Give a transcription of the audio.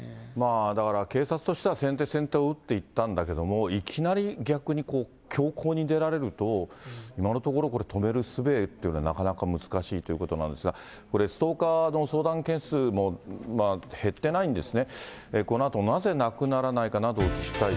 だから警察としては先手先手を打っていったんだけども、いきなり逆にこう、凶行に出られると、今のところ、止めるすべというのはなかなか難しいということなんですが、ストーカーの相談件数も減ってないんですね。